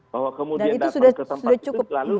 bahwa kemudian datang ke tempat itu selalu